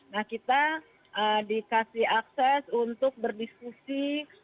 nah kita dikasih akses untuk berdiskusi